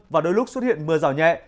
và đôi lúc xuất hiện mưa rào nhẹ